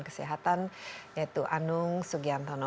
kesehatan yaitu anung sugiantono